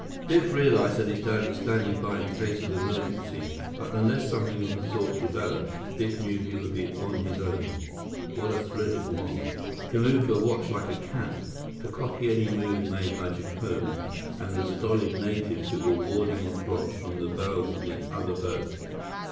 Biff realized that his dad was standing by in case of emergency, but unless something of the sort developed, Biff knew he would be on his own. What a thrill it was! Kamuka watched like a cat, to copy any move made by Jacome and the stolid natives who were warding off rocks from the bows of the other boats.